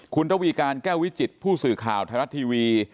คุณระวีการแก้ววิจิตผู้สื่อข่าวไทยรัฐทีวี